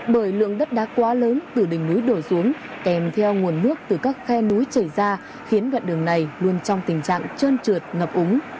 bởi lượng đất đá quá lớn từ đỉnh núi đổ xuống kèm theo nguồn nước từ các khe núi chảy ra khiến đoạn đường này luôn trong tình trạng trơn trượt ngập úng